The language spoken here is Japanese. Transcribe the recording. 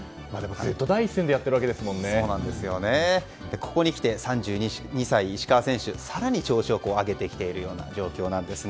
ずっと第一線でここにきて３２歳、石川選手更に調子を上げてきているような状況です。